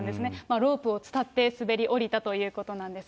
ロープを伝って滑り降りたということなんです。